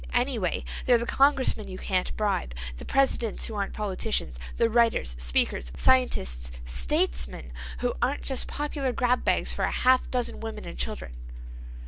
Anyway, they're the congressmen you can't bribe, the Presidents who aren't politicians, the writers, speakers, scientists, statesmen who aren't just popular grab bags for a half dozen women and children."